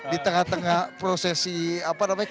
di tengah tengah prosesi apa namanya